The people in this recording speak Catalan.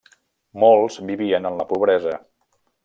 Molts vivien en la pobresa.